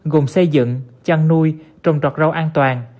gồm xây dựng chăn nuôi trồng trọt rau an toàn